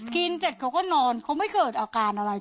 เสร็จเขาก็นอนเขาไม่เกิดอาการอะไร